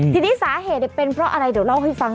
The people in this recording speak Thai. ทีนี้สาเหตุเป็นเพราะอะไรเดี๋ยวเล่าให้ฟัง